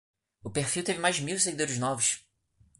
O perfil teve mais de mil seguidores novos